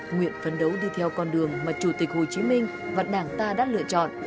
nguyện phấn đấu đi theo con đường mà chủ tịch hồ chí minh và đảng ta đã lựa chọn